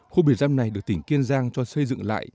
khu biệt giam này được tỉnh kiên giang cho xây dựng lại